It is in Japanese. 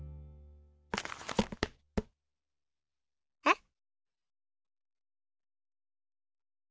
えっ？